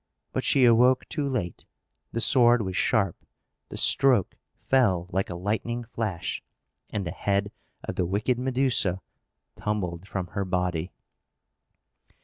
But she awoke too late. The sword was sharp; the stroke fell like a lightning flash; and the head of the wicked Medusa tumbled from her body!